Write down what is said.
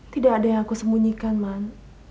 tidak ada yang aku sembunyikan man